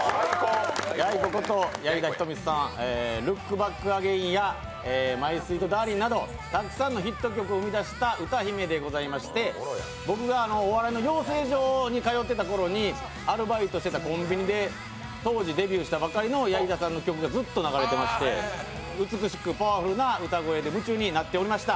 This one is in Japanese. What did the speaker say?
ヤイコこと矢井田瞳さん「ＬｏｏｋＢａｃｋＡｇａｉｎ」や「ＭｙＳｗｅｅｔＤａｒｌｉｎ’」などたくさんのヒット曲を生み出した歌姫でございまして僕がお笑いの養成所に通っていたころにアルバイトしていたコンビニで当時、デビューしたばかりの矢井田さんの曲がずっと流れてまして美しくパワフルな歌声で夢中になっておりました。